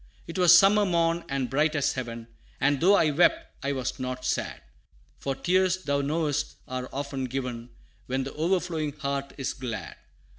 'Twas summer morn, and bright as heaven; And though I wept, I was not sad, For tears, thou knowest, are often given When the overflowing heart is glad.